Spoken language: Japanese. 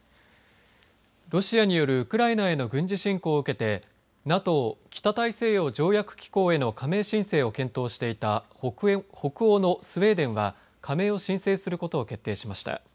ロシアによるウクライナへの軍事侵攻を受けてＮＡＴＯ、北大西洋条約機構への加盟申請を検討していた北欧のスウェーデンは加盟を申請することを決定しました。